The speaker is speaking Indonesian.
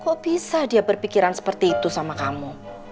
kok bisa dia berpikiran seperti itu sama kamu